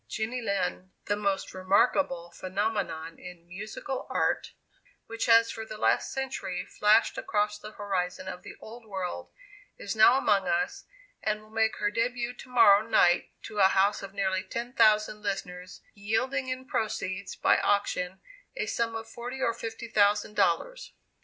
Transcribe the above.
"Jenny Lind, the most remarkable phenomenon in musical art which has for the last century flashed across the horizon of the old world, is now among us, and will make her début to morrow night to a house of nearly ten thousand listeners, yielding in proceeds by auction, a sum of forty or fifty thousand dollars.